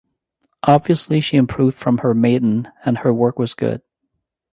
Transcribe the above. Obviously she improved from her maiden and her work was good.